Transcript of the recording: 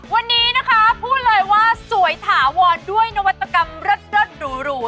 วันนี้นะคะพูดเลยว่าสวยถาวรด้วยนวัตกรรมเลิศหรู